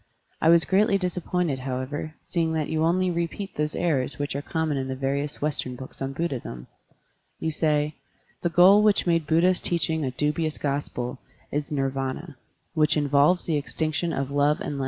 I was greatly disappointed, how ever, seeing that you only repeat those errors which are common in the various Western books on Buddhism. You say, "The goal which made Buddha's teachings a dubious gospel, is Nirvana, which involves the extinction of love and life, * Reproduced from The Open Court, January, 1897.